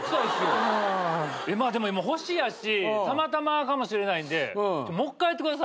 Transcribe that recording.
でも今星やしたまたまかもしれないんでもう１回やってくださいよ。